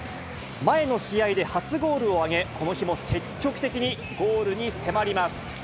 前の試合で初ゴールを挙げ、この日も積極的にゴールに迫ります。